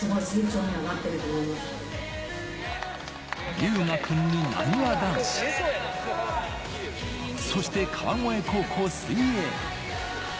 龍芽くんに、なにわ男子、そして川越高校水泳部。